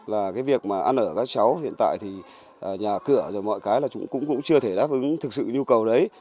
là cái việc mà ăn ở các cháu hiện tại thì nhà cửa rồi mọi cái là cũng chưa thể đáp ứng thực sự nhu cầu đấy